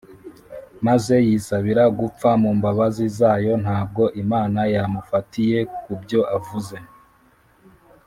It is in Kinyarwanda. maze yisabira gupfa mu mbabazi zayo, ntabwo imana yamufatiye ku byo avuze